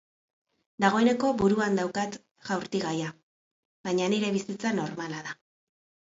Dagoeneko buruan daukat jaurtigaia, baina nire bizitza normala da.